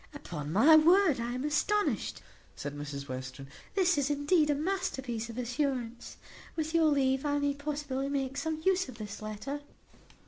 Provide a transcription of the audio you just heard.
"Upon my word I am astonished," said Mrs Western; "this is, indeed, a masterpiece of assurance. With your leave I may possibly make some use of this letter."